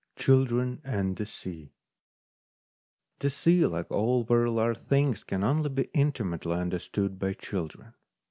10 CHILDREN AND THE SEA THE sea, like all very large things, can only be intimately understood by children.